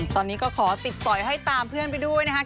ตอนนี้ก็ขอติดสอยให้ตามเพื่อนไปด้วยนะครับ